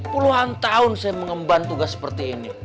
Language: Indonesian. puluhan tahun saya mengemban tugas seperti ini